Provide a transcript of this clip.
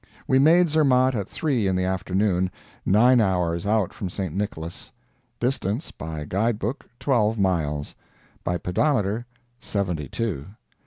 We made Zermatt at three in the afternoon, nine hours out from St. Nicholas. Distance, by guide book, twelve miles; by pedometer seventy two.